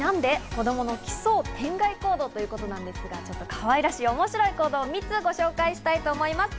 子供の奇想天外行動ということなんですが、かわいらしい面白い行動を３つご紹介したいと思います。